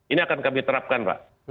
ini akan kami terapkan pak